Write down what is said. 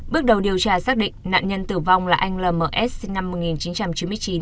bước đầu điều tra xác định nạn nhân tử vong là anh lms sinh năm một nghìn chín trăm chín mươi chín